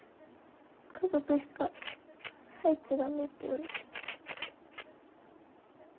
家族しか入っちゃ駄目って言われて。